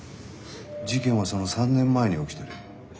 事件はその３年前に起きてる。